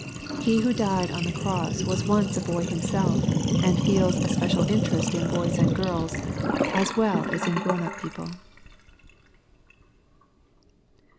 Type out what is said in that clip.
He who died on the cross was once a boy Himself, and feels a special interest in boys and girls, as well as in grown up people.